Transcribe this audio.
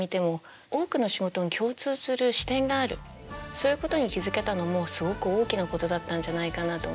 そういうことに気付けたのもすごく大きなことだったんじゃないかなと思います。